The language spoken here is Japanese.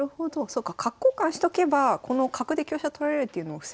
そっか角交換しとけばこの角で香車取られるっていうのは防げるんですね。